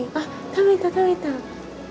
食べた食べた。